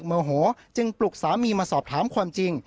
ซึ่งปลุกสามีมาสอบถามความจริง